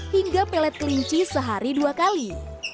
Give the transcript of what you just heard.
hingga pelet kelinci sehari dua kali